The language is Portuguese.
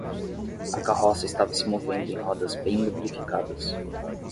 A carroça estava se movendo em rodas bem lubrificadas.